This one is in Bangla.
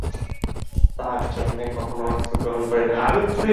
তার জন্যে কখনো অর্থ গ্রহণ করি না।